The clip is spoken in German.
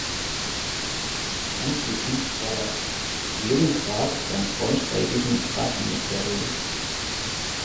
Anschließend war er Regierungsrat beim Braunschweigischen Staatsministerium.